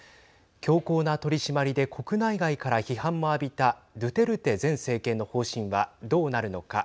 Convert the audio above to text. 強硬な取締りで国内外から批判も浴びたドゥテルテ前政権の方針はどうなるのか。